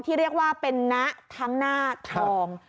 ที่เรียกว่าเป็นนะทั้งหน้าทอง